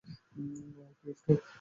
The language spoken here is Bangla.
ওহ, ক্রিপ্টো।